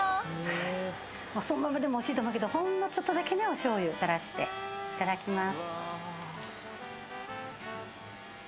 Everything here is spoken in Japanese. そのままでもおいしいと思うけど、ほんのちょっとだけね、お醤油たらしていただきます。